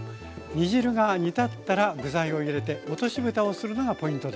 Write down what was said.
煮汁が煮立ったら具材を入れて落としぶたをするのがポイントでした。